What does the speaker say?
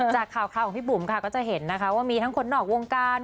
จากข่าวของพี่บุ๋มค่ะก็จะเห็นนะคะว่ามีทั้งคนนอกวงการ